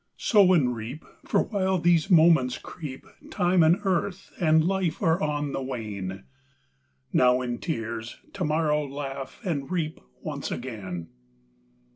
Sow and reap: for while these moments creep Time and earth and life are on the wane. Now, in tears; to morrow, laugh and reap Once again.